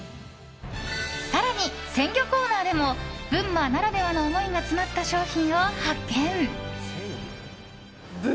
更に、鮮魚コーナーでも群馬ならではの思いが詰まった商品を発見。